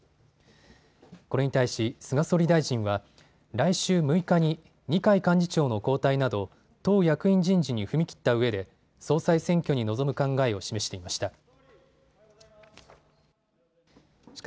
これに対し菅総理大臣は来週６日に二階幹事長の交代など党役員人事に踏み切ったうえで総裁選挙に臨む考えを示していました。